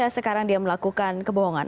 sekarang dia melakukan kebohongan